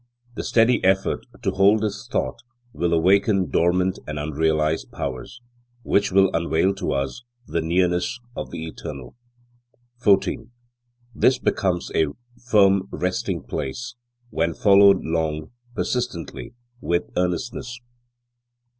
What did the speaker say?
The steady effort to hold this thought will awaken dormant and unrealized powers, which will unveil to us the nearness of the Eternal. 14. This becomes a firm resting place, when followed long, persistently, with earnestness.